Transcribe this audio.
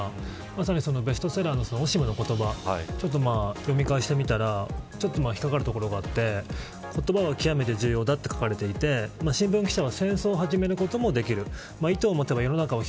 まさにベストセラーのオシムの言葉読み返してみたら、ちょっと引っ掛かるところがあって言葉は極めて重要だと書かれていて新聞記者は戦争を始めることもできる。